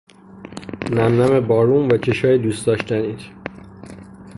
نم نم بارون و چشای دوست داشتنیت